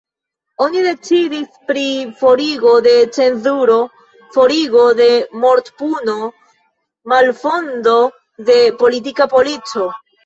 Oni decidis pri forigo de cenzuro, forigo de mortpuno, malfondo de politika polico.